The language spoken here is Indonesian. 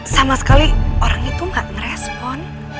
sama sekali orang itu gak ngerespon